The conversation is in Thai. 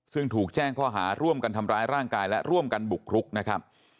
ซึ่งถูกแจ้งข้อหาร่วมกันทำร้ายร่างกายและร่วมกันบุกรุกนะครับ